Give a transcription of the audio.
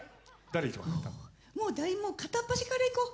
もう片っ端からいこう。